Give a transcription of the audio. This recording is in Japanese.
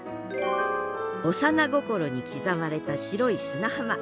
幼心に刻まれた白い砂浜。